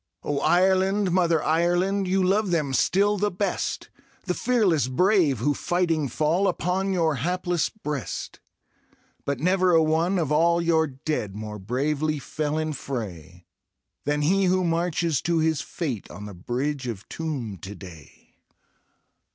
Oh Irelandj Mother Ireland] You love them still the best| The fearless brave who fighting fall Upon your hapless breast; But never a one of all your dead More bravely fell in frayi Than he who marches to his fate On the Bridge of Toome to day.